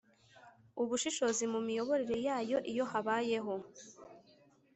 Ubushishozi mu miyoborere yayo iyo habayeho